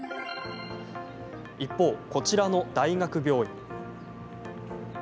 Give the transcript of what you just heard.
一方、こちらの大学病院。